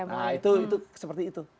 nah itu seperti itu